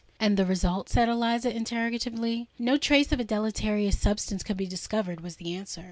"And the result?" said Eliza, interrogatively. "No trace of a deleterious substance could be discovered," was the answer.